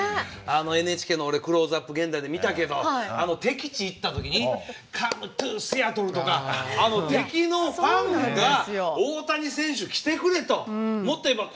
ＮＨＫの「クローズアップ現代」で見たけど敵地に行ったときにカムトゥシアトル！とか敵のファンが、大谷選手来てくれと。